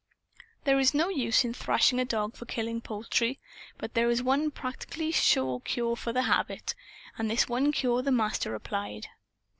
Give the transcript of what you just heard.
There is no use in thrashing a dog for killing poultry. There is but one practically sure cure for the habit. And this one cure the Master applied.